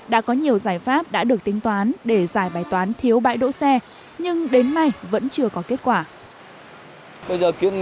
đã có nhiều giải pháp đã được tính toán để giải bài toán thiếu bãi đỗ xe nhưng đến nay vẫn chưa có kết quả